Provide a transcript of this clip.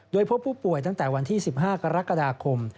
โดยพบผู้ป่วยตั้งแต่วันที่๑๕กรกฎาคม